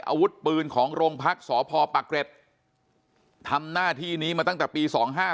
อาวุธปืนของโรงพักษ์สพปะเกร็ดทำหน้าที่นี้มาตั้งแต่ปี๒๕๕